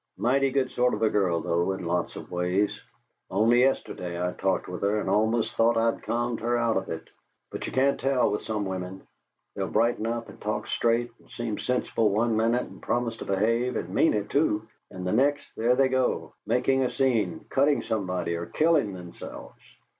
Mighty good sort of a girl, though, in lots of ways. Only yesterday I talked with her and almost thought I'd calmed her out of it. But you can't tell with some women. They'll brighten up and talk straight and seem sensible, one minute, and promise to behave, and mean it too, and the next, there they go, making a scene, cutting somebody or killing themselves!